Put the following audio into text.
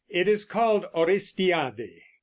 It is called "Orestiade."